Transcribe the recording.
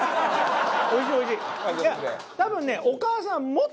おいしいおいしい。